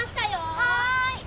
はい！